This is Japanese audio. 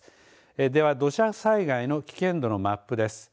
では、土砂災害の危険度のマップです。